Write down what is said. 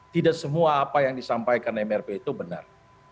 tidak semua apa yang disampaikan mrp itu benar